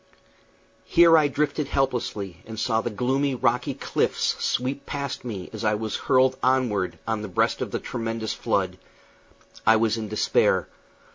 Here I drifted helplessly, and saw the gloomy, rocky cliffs sweep past me as I was hurled onward on the breast of the tremendous flood. I was in despair.